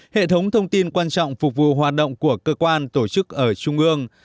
hệ thống thông tin quan trọng phục vụ hoạt động của cơ quan tổ chức ở trung ương